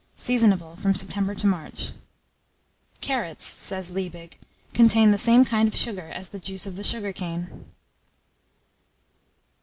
Seasonable from September to March. CARROTS, says Liebig, contain the same kind of sugar as the juice of the sugar cane.